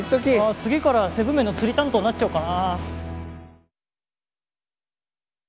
次から７ＭＥＮの釣り担当になっちゃおっかな。